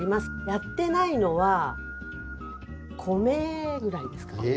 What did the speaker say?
やってないのは米ぐらいですかね。